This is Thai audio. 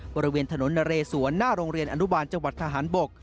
บริเวณถนนนเรสวนหน้าโรงเรียนอนุบาลจังหวัดทหารบก